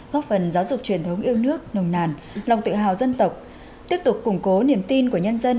góp phần giáo dục truyền thống yêu nước nồng nàn lòng tự hào dân tộc tiếp tục củng cố niềm tin của nhân dân